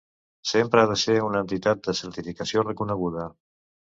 Sempre ha de ser una entitat de certificació reconeguda.